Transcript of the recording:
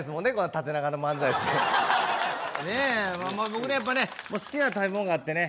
僕ねやっぱね好きな食べ物があってね